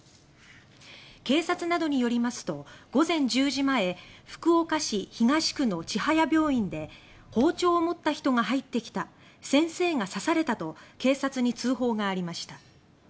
警察などによりますと午前１０時前福岡市東区の千早病院で包丁を持った人が入ってきた先生が刺されたと警察に通報がありました。